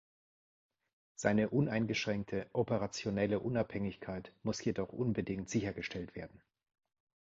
Seine uneingeschränkte operationelle Unabhängigkeit muss jedoch unbedingt sichergestellt werden.